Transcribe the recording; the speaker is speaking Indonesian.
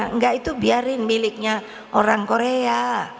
enggak itu biarin miliknya orang korea